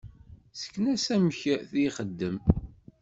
Sken-as amek di ixdem.